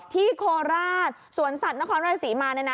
ที่โคลาสสวนสัตว์นครรศรีมาเลยนะ